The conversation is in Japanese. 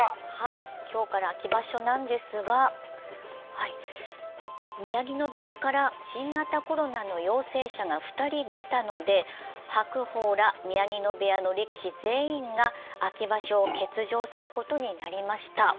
今日から秋場所なんですが、宮城野部屋から新型コロナの陽性者が２人出たので、白鵬ら宮城野部屋の力士全員が秋場所を欠場することになりました。